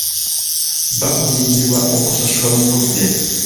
Baakubirizibwa okusasula mu budde.